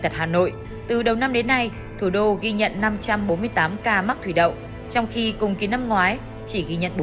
viện hội từ đầu năm đến nay thủ đô ghi nhận năm trăm bốn mươi tám ca mắc thủy đậu trong khi cùng kỳ năm ngoái chỉ ghi nhận